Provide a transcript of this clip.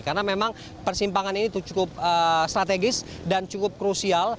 karena memang persimpangan ini cukup strategis dan cukup krusial